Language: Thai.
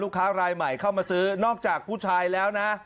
ค้ารายใหม่เข้ามาซื้อนอกจากผู้ชายแล้วนะ